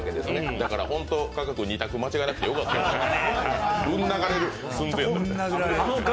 だから本当に加賀君、２択間違えなくてよかったね。